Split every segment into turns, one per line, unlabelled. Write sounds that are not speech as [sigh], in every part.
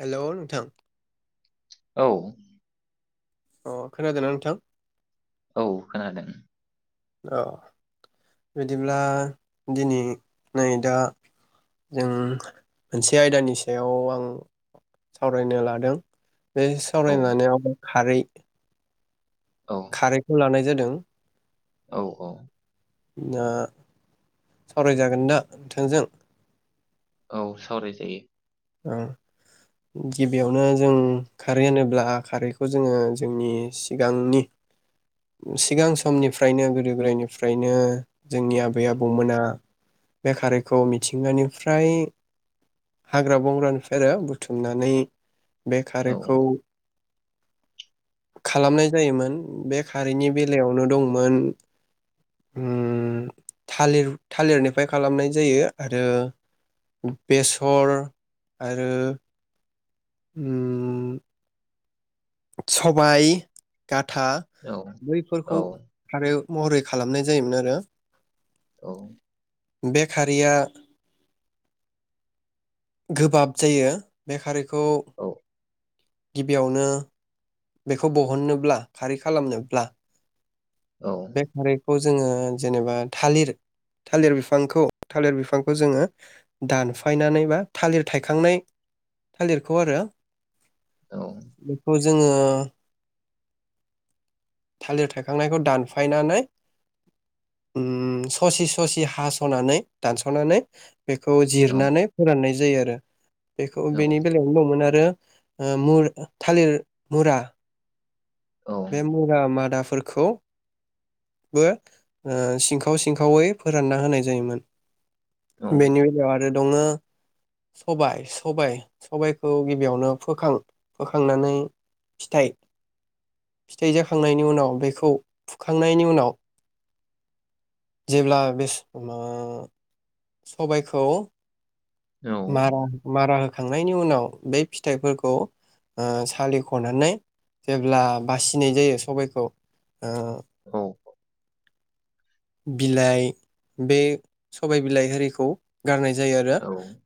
Hello नोंथां
औ।
अ खोनादोंना नोंथां?
औ खोनादों।
अ बिदिब्ला दिनै नै दा जों मोनसे आयदानि सायाव आं सावरायनो लादों। बे
औ
सावरायनो लानायाव खारै
औ
खारैखौ लानाय जादों। दों।
औ औ।
दा सावरायजागोन दा नोंथांजों?
औ सावराय जायो।
ओ गिबियावनो जों खारै होनोब्ला खारैखौ जोङो जोंनि सिगांनि सिगां समनिफ्रायनो गोदो गोदायनिफ्रायनो जोंनि आबै आबौमोना बे खारैखौ मिथिंगानिफ्राय हाग्रा बंग्रानिफ्रायनो बुथुमनानै बे खारैखौ
औ
खालामनाय जायोमोन बे खारैनि बेलायावनो दंमोन ओम थालिर थालिरनिफ्राय खालामनाय जायो आरो बेसर आरो ओम सबाय था
औ
बैफोरखौ आरो महरै खालामनाय जायोमोन आरो
औ।
बे खारैया गोबाब जायो बे खारैखौ
औ
गिबियावनो बेखौ बहननोब्ला खारै खालामनोब्ला
औ
बे खारै खौ जोङो जेनेबा थालिर थालिर बिफांखौ थालिर बिफांखौ जोङो दानफायनानै मा थालिर थायखांनाय थालिरखौ आरो
औ
बेखौ जोङो बा [unintelligible] थालिर थायखांनायखौ दानफायनानै ओम ससे ससे हास'नानै दानस'नानै बेखौ
औ
जिरनानै फोराननाय जायो आरो बेखौ
औ
बेनि बेलायावबो मोनो आरो ओ मुर थालिर मुरा बे मुरा मादा फोरखौबो ओ सिंखाव सिंखावै फोरानना होनाय जायोमोन। बेनि उनाव आरो दङो सबाइ सबाइ सबाइखौ गिबियावनो फोखां फोखांनानै फिथाइ फिथाइ जाखांनायनि उनाव बेखौ फुखांनायनि उनाव जेब्ला बे ओ सबायखौ मा-मारा खांनायनि उनाव बे फिथाइफोरखौ ओ सालिख'नानै जेब्ला बासिनाय जायो सबायखौ ओ
औ
बिलाइ बे सबाय बिलाइ [unintelligible] गारनाय जायो आरो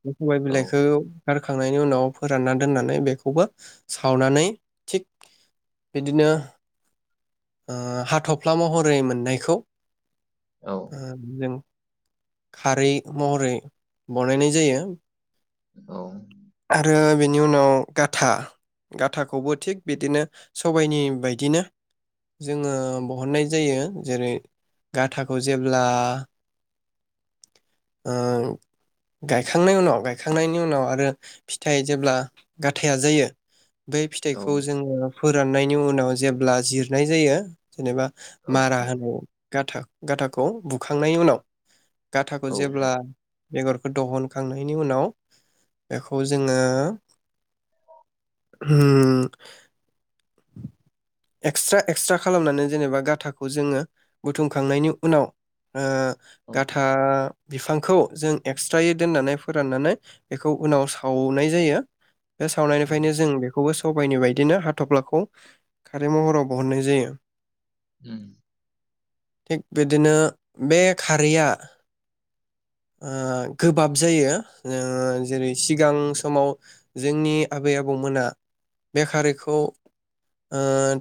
बे सबाय बिलाइखौ गारखांनायनि उनाव फोरानना दोननानै बेखौबो सावनानै थिग बिदिनो ओ हाथ'फ्ला महरै मोननायखौ ओ जों खारै महरै बनायनाय जायो।
औ
आरो बेनि उनाव गाथा गाथाखौबो थिग बिदिनो सबायनि बायदिनो जोङो बहननाय जायो जेरै गाथाखौ जेब्ला ओ गायखांनायनि उनाव गायखांनायनि उनाव आरो फिथाइ जेब्ला गाथाया जायो बेै फिथाइखौ
औ
जोङो फोराननायनि उनाव जेब्ला जिरनाय जायो जेनेबा मारा होनां गाथा गाथाखौ बुखांनायनि उनाव गाथाखौ जेब्ला बेगरखौ दिहनखांनायनि उनाव बेखौ जोङो उम एक्सट्रा एक्सट्रा खालामनानै जेनेबा गाथाखौ जोङो बुथुमखांनायनि उनाव ओ गाथा बिफांखौ जों एक्सट्रायै दोननानै फोराननानै बेखौ खौ उनाव सावनाय जायो बे
उम,
सावनायनिफ्रायनो जों बेखौबो सबायनि बायदिनो हाथफ्लाखौ खारै महराव बहननाय जायो
औ
थिग बिदिनो बे खारैया ओ गोबाब जायो जेरै सिगां समाव जोंनि आबै आबौमोना बे खारैखौ ओ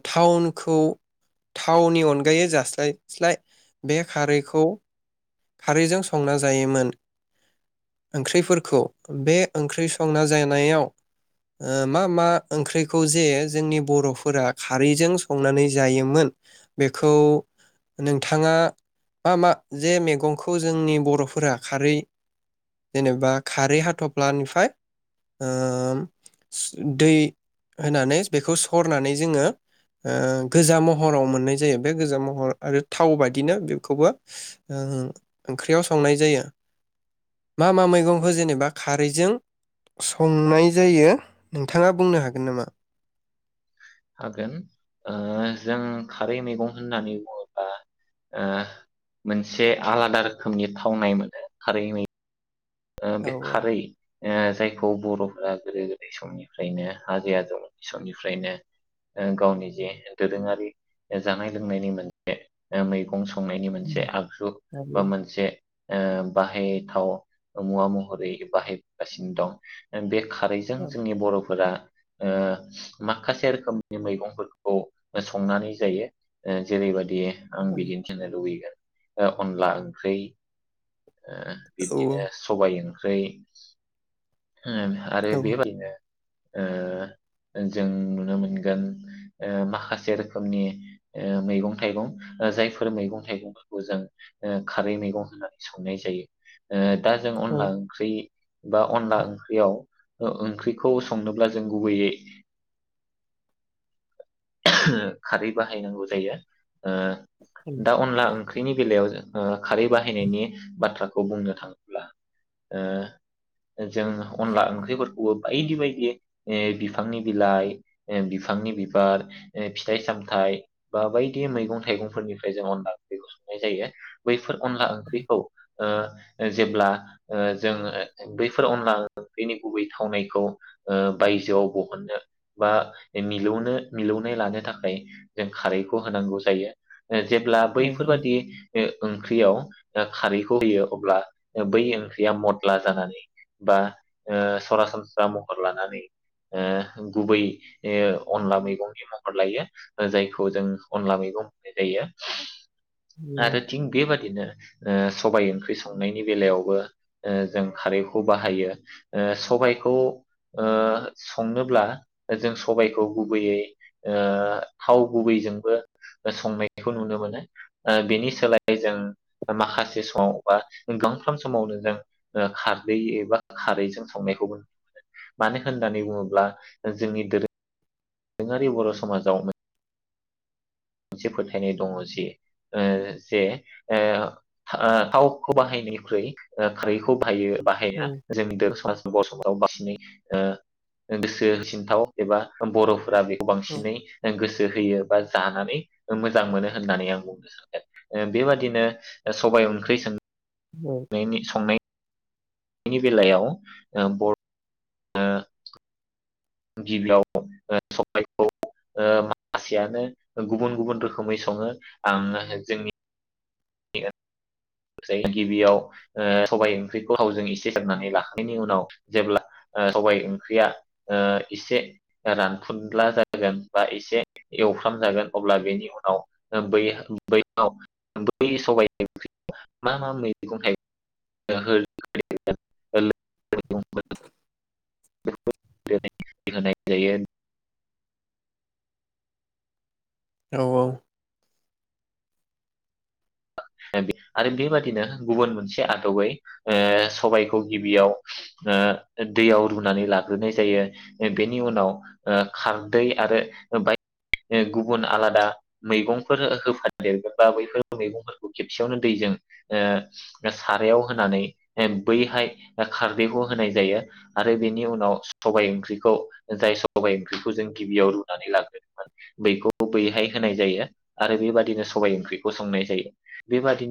थावनखौ थावनि अनगायै जास्लायस्लाय बे खारैखौ खारैजों संना जायोमोन ओंख्रिफोरखौ बे ओंख्रि संना जानायाव ओ मा मा ओंख्रिखौ जे जोंनि बर'फोरा खारैजों संनानै जायोमोन बेखौ नोंथाङा मा मा जे मैगंखौ जोंनि बर'फोरा खारै जेनेबा खारै हाथ थफ्लानिफ्राय ओ दै होनानै बेखौ सरनानै जोङो ओ गोजा महराव मोननाय जायो बे गोजा महर आरो थाव बायदिनो बेखौबो ओ ओंख्रियाव संनाय जायो मा मा मैगंखौ जेनेबा खारैजों संनाय जायो नोंथाङा बुंनो हागोन नामा
हागोन ओ जों खारै मैगं होननानै बुङोब्ला ओ मोनसे आलादा रोखोमनि थावनाय मोनो खारै मै ओ
औ
बे खारै ओ जायखौ बर'फोरा गोदो गोदाय समनिफ्रायनो आजै आजौनि समनिफ्रायनो ओ गावनि जे दोरोङारि जानाय लोंनायनि मोनसे मैगं सम संनायनि मोनसे आगजु
हायो
बा मोनसे ओ बाहायथाव। मुवा महरै बाहायगासिनो दं बे खारैजों
औ
जोंनि बर'फोरा ओ माखासे रोखोमनि मैगंफोरखौ संनानै जायो ओ जेरैबायदि आं बिदिन्थि होनो लुबैगोन। ओ अनला ओंख्रि ओ।
औ
बिदिनो सबाइ ओं ख्रै। ओं आरो
औ
बेबायदिनो ओ जों नुनो मोनगोन ओ माखासे रोखोमनि ओ मैगं थाइगं जायफोर मैगं थाइगंफोरखौ जों ओ खारै मैगं होननानै संनाय जायो। ओ दा जों
औ
अनला ओंख्रि बा अनला ओंख्रियाव ओंख्रिखौ संनोब्ला जों गुबैयै खारै बाहायनांगौ जायो। ओ दा अनला ओं बेनि बेलायावजो ओ खारै बाहायनायनि बाथ्रा खौ बुंनो। थाङोब्ला ओ जों अनला ओंख्रिफोरखौबो बायदि बायदि बिफांनि बिलाइ बिफांनि बिबार फिथाइ सामथाइ बा बायदि मैगं थाइगंफोरनिफ्राय जों अनला ओंख्रिखौ संनाय जायो बै फोर अनला ओंख्रिखौ ओ जेब्ला ओ जों बैफोर अनला ओंख्रिनि गुबै थावनायखौ ओ बायजोआव बहननो बा मिलौनो मिलौनाय लानो थाखाय जों खारैखौ होनांगौ जायो। जेब्ला बैफोरबादि ओ ओंख्रियाव आ खारैखौ होयो अब्ला बै ओंख्रिया मदला जानानै बा ओ सरासनस्रा महर लानानै ओ गुबै अनला मैगंनि महर लायो जायखौ जों अनला मैगं होननाय जायो। आरो थिं बेबायदिनो ओ सबाइ ओंख्रि सं संनायनि बेलायावबो ओ जों खारैखौ बाहायो ओ सबाइखौ ओ संनोब्ला जों सबाइखौ गुबैयै ओ थाव गुबैजोंबो संनायखौ नुनो मोनो ओ बेनि सोलाय जों माखासे समाव बा गांफ्राम समावनो जों खारदै एबा खारैजों संनायखौबो नुनो मोनो मानो होननानै बुङोब्ला जोंनि दोरों दोरोङारि बर' समाजाव मो मोनसे फोथायनाय दङ जे ओ जे ओ थावखौ बाहायनोख्रुइ खारैखौ बाहायो। बाहाया जोंनि दोरों बर समाव। दिनै ओ गोसो होसिनथाव एबा बर'फोरा बे बांसिनै गोसो होयो बा जानानै। मोजां मोनो होननानै आं बुंनो सानोन बेबादिनो ओ सबबाय ओंख्रि सों
औ
नायनि संनाय बेनि बेलायाव ओ बर गिबियाव सबायखौ माखासेयानो गुबुन गुबुन रोखोमै सङो आङो जोंनि नि ओ गिबियाव ओ सबाय ओंख्रिखौ हावजों एसे सांनानै लाखांनायनि उनाव जेब्ला ओ सबाय ओंख्रिया ओ एसे रानखुनला जागोन बा एसे एवफ्राम जागोन अब्ला बेनि उनाव बै-बैयाव सबाय ओंख्रि मा मा मैगं थायगं [unintelligible] [unintelligible] होनाय जायो
औ औ
आरो बेबादिनो गुबुन मोनसे आदबै ओ सबायखौ गिबियाव दैयाव रुनानै लाग्रोनाय जायो बेनि उनाव ओ खारदै आरो बाय गुबुन आलादा मैगंफोर होफ देरगोन बा बैफोर मैगंफोर खौ खेबसेयावनो दैजों सारायाव होनानै बैहाय खारदैखौ होनाय जायो आरो बेनि उनाव सबाइ ओंख्रिखौ जाय सबाइ ओंख्रिखौ जों गिबियाव रुनानै लाग्रोदोंमोन बैखौ बैहाय होनाय जायो आरो बेबादिनो सबाइ ओंख्रिखौ संनाय जायो बेबादिनो